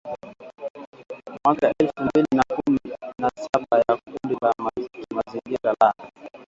mwaka elfu mbili na kumi na saba ya kundi la kimazingira la